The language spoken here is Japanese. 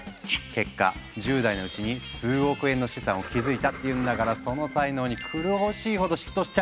結果１０代のうちに数億円の資産を築いたっていうんだからその才能に狂おしいほど嫉妬しちゃうよね！